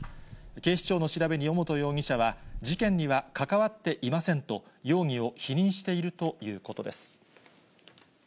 警視庁の調べに尾本容疑者は、事件には関わっていませんと、容疑を否認しているということです。